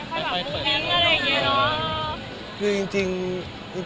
จริงแล้วแอบเผินป่ะครับปกติพี่เวียจะไม่ค่อยแบบ